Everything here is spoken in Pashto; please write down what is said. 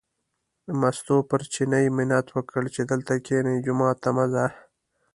مستو پر چیني منت وکړ چې ته دلته کینې، جومات ته مه ځه.